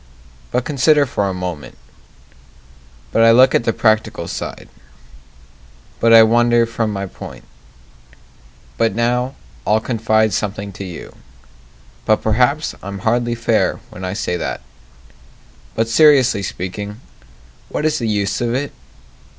But consider for a moment But I look at the practical side But I wander from my point But now I'll confide something to you But perhaps I'm hardly fair when I say that But seriously speaking, what is the use of it?